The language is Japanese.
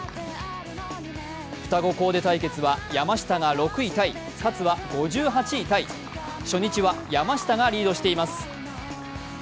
双子コーデ対決は山下が６位タイ、勝は５８位タイ、初日は山下がリードしています。